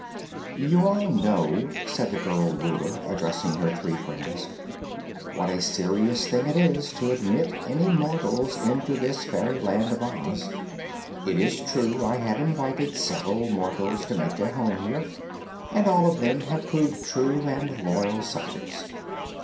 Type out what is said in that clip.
"You all know," said the girl Ruler, addressing her three friends, "what a serious thing it is to admit any mortals into this fairyland of Oz. It is true I have invited several mortals to make their home here, and all of them have proved true and loyal subjects.